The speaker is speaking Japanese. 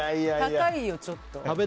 高いよ、ちょっと。